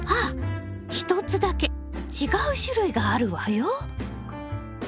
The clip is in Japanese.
一つだけ違う種類があるわよ。